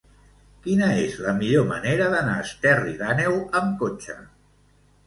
Quina és la millor manera d'anar a Esterri d'Àneu amb cotxe?